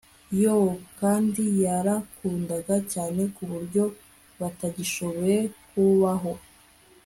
Yoo Kandi yarakundaga cyane kuburyo batagishoboye kubaho